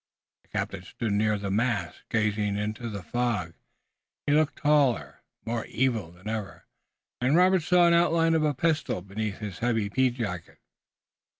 The captain stood near the mast, gazing into the fog. He looked taller and more evil than ever, and Robert saw the outline of a pistol beneath his heavy pea jacket.